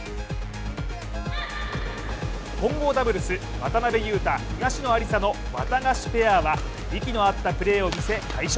混合ダブルス渡辺勇大・東野有紗のわたがしペアは息の合ったプレーを見せ快勝。